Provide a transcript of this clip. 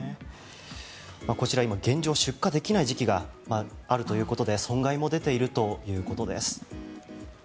こちら、現状出荷できない時期があるということで損害も出ているということです。